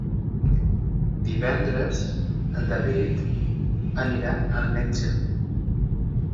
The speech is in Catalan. Divendres en David irà al metge.